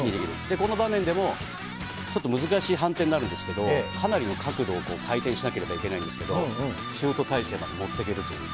この場面でも、ちょっと難しい判定になるんですけど、かなりの角度を回転しなければいけないんですけれども、シュート体勢まで持ってけるという。